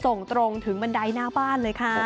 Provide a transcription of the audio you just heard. ส่งตรงถึงบันไดหน้าบ้าน